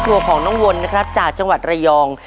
ตัวของน้องวนนะครับจากจังหวัดระยอง